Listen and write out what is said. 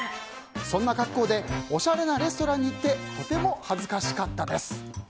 そんな格好でおしゃれなレストランに行ってとても恥ずかしかったです。